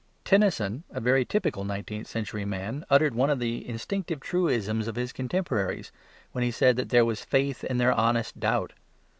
Tennyson, a very typical nineteenth century man, uttered one of the instinctive truisms of his contemporaries when he said that there was faith in their honest doubt.